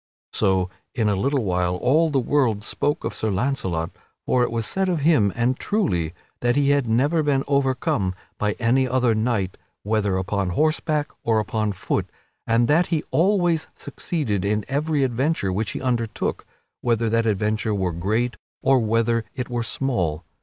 So in a little while all the world spoke of Sir Launcelot, for it was said of him, and truly, that he had never been overcome by any other knight, whether upon horseback or upon foot, and that he always succeeded in every adventure which he undertook, whether that adventure were great or whether it were small.